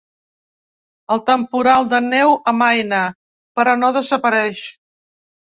El temporal de neu amaina, però no desapareix.